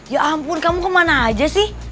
ya ampun kamu kemana aja sih